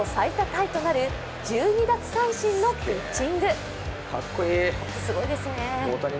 タイとなる１２奪三振のピッチング。